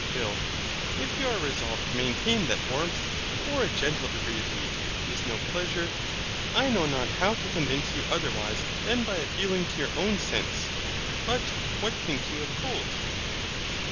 PHIL. If you are resolved to maintain that warmth, or a gentle degree of heat, is no pleasure, I know not how to convince you otherwise than by appealing to your own sense. But what think you of cold?